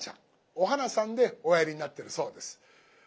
「お花さん」でおやりになっているそうです。